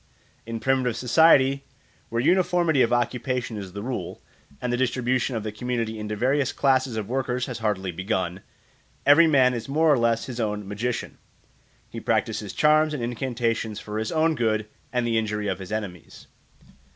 In primitive society, where uniformity of occupation is the rule, and the distribution of the community into various classes of workers has hardly begun, every man is more or less his own magician; he practises charms and incantations for his own good and the injury of his enemies.